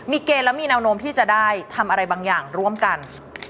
เกณฑ์และมีแนวโน้มที่จะได้ทำอะไรบางอย่างร่วมกัน